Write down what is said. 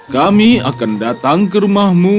kami akan datang ke rumahmu